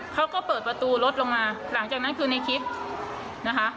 เขาก็เปิดประตูรถลงมาหลังจากนั้นคือในคลิปนะคะ